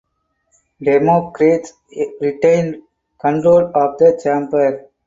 Democrats retained control of the chamber.